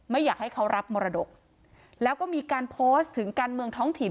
อยากให้เขารับมรดกแล้วก็มีการโพสต์ถึงการเมืองท้องถิ่น